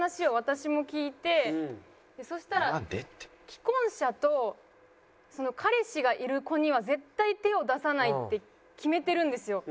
既婚者と彼氏がいる子には絶対手を出さないって決めてるんですよ。